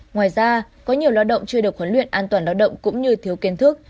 ngoài ra có nhiều lao động chưa được huấn luyện an toàn lao động cũng như thiếu kiến thức